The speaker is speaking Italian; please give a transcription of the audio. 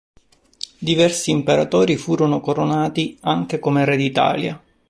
Diversi imperatori furono coronati anche come re d'Italia.